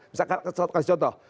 misalkan kasih contoh